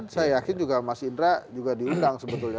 saya yakin juga mas indra juga diundang sebetulnya